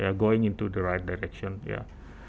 bergerak ke arah yang benar